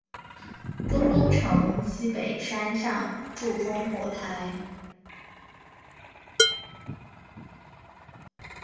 中都城西北山上筑烽火台。